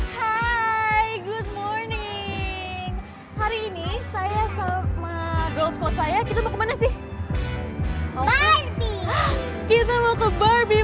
hai good morning hari ini saya sama girlscout saya kita mau kemana sih kita mau ke barbie